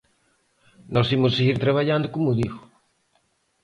Nós imos seguir traballando, como digo.